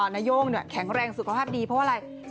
นาย่งแข็งแรงสุขภาพดีเพราะว่าอะไร